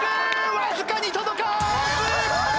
わずかに届かず！